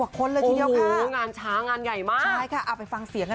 ๒วันคือยังไงค่ะพี่เป็น๒วัน